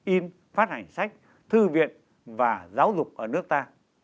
in phát hành sách thư viện và giáo dục ở nước ta